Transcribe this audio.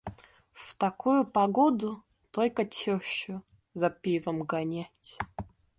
В такую погоду только тёщу за пивом гонять.